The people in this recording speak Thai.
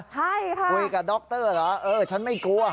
ใช่ค่ะคุยกับดรเหรอเออฉันไม่กลัว